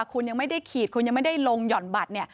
คุณยังไม่ได้ขีดคุณยังไม่ได้ลงหย่อนบัตรเนี่ย